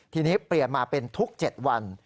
ทีนี้เปลี่ยนมาเป็นทุก๗วัน